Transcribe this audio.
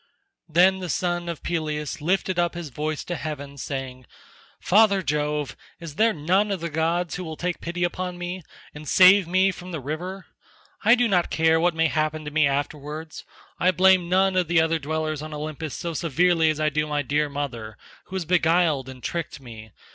Then the son of Peleus lifted up his voice to heaven saying, "Father Jove, is there none of the gods who will take pity upon me, and save me from the river? I do not care what may happen to me afterwards. I blame none of the other dwellers on Olympus so severely as I do my dear mother, who has beguiled and tricked me.